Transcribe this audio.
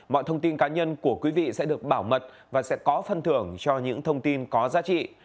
mọi thông tin cá nhân của quý vị sẽ được bảo mật và sẽ có phân thưởng cho những thông tin có giá trị